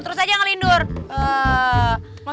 mau sampai kapan ngelindur terusin